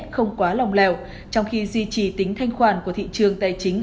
không quá lòng lèo trong khi duy trì tính thanh khoản của thị trường tài chính